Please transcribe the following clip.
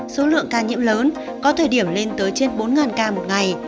số lượng ca nhiễm lớn có thời điểm lên tới trên bốn ca một ngày